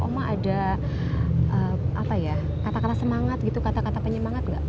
oma ada apa ya kata kata semangat gitu kata kata penyemangat gak